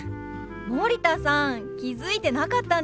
森田さん気付いてなかったんですか？